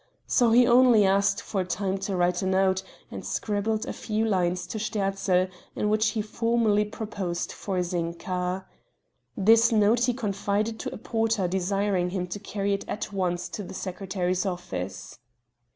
So he only asked for time to write a note, and scribbled a few lines to Sterzl in which he formally proposed for Zinka. This note he confided to a porter desiring him to carry it at once to the secretary's office.